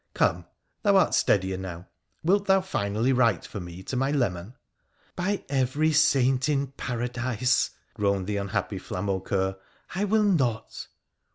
' Come ! thou art steadier now. Wilt thou finally write for me to my leman ?' 'By every saint in Paradise,' groaned the unhappy Flamaucoeur, ' I will not